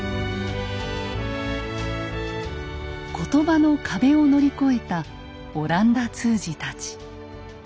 言葉の壁を乗り越えた阿蘭陀通詞たち。